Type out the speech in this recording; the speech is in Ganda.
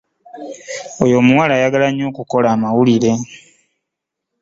Oyo omuwala ayagala nnyo okukola amawulire.